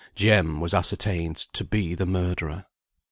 Jem was ascertained to be the murderer.